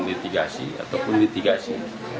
litigasi ataupun litigasi